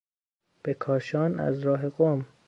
به کاشان از راه قم